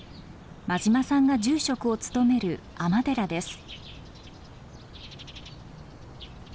馬島さんが住職を務める尼寺です。